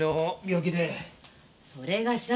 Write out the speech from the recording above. それがさ